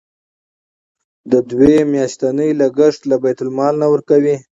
د دوی میاشتنی لګښت له بیت المال نه ورکوئ.